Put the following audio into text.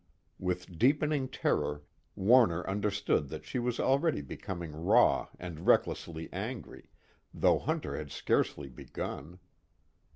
With deepening terror Warner understood that she was already becoming raw and recklessly angry, though Hunter had scarcely begun.